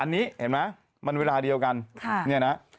อันนี้เห็นมั้ยมันเวลาเดียวกัน